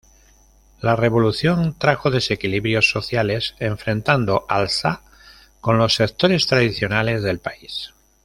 La revolución trajo desequilibrios sociales, enfrentando al sha con los sectores tradicionales del país.